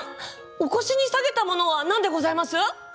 お腰に提げたものは何でございます？